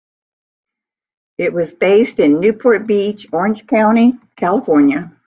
It was based in Newport Beach, Orange County, California.